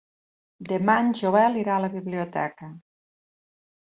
Demà en Joel irà a la biblioteca.